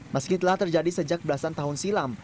meski telah terjadi sejak belasan tahun silam